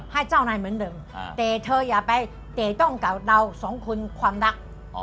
ให้เจ้านายเหมือนเดิมแต่เธออย่าไปเตะจ้องเก่าเดาสองคนความรัก